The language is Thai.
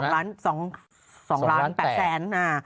๒๒ล้าน๘แสน